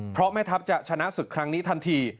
เพราะแม่ทัพจะชนะศึกครั้งนี้ทันที